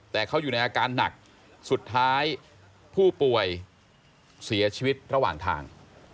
แต่เขาอยู่ในอาการหนักสุดท้ายผู้ป่วยเสียชีวิตระหว่างทาง